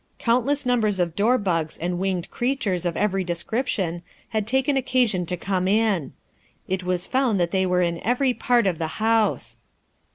Countless numbers of dorbugs and winged creatures of every description had taken occasion to come in. It was found that they were in every part of the house.